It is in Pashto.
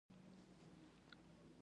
سوالګر د الله نوم یادوي